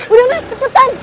udah mas sepetan